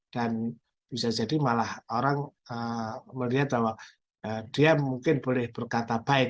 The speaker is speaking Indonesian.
dan bisa jadi malah orang melihat bahwa dia mungkin boleh berkata baik